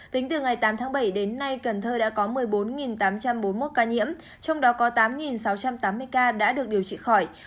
tính từ ngày tám tháng bảy đến nay cần thơ đã có một mươi bốn tám trăm bốn mươi một ca nhiễm trong đó có tám sáu trăm tám mươi ca đã được điều trị khỏi